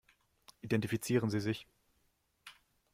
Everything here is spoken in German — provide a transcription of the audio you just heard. Identifizieren Sie sich.